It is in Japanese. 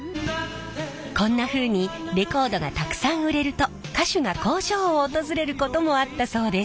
こんなふうにレコードがたくさん売れると歌手が工場を訪れることもあったそうです。